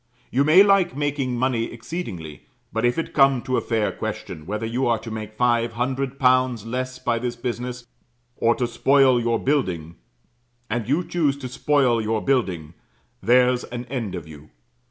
You may like making money exceedingly; but if it come to a fair question, whether you are to make five hundred pounds less by this business, or to spoil your building, and you choose to spoil your building, there's an end of you.